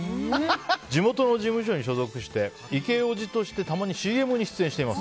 地元の事務所に所属してイケオジとしてたまにＣＭに出演しています。